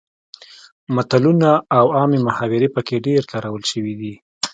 متلونه او عامې محاورې پکې ډیر کارول شوي دي